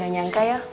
gak nyangka ya